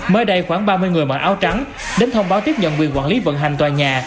mới đây khoảng ba mươi người mở áo trắng đến thông báo tiếp nhận quyền quản lý vận hành tòa nhà